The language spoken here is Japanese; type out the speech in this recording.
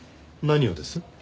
何をです？